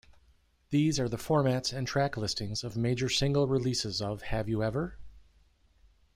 These are the formats and track listings of major single-releases of Have You Ever?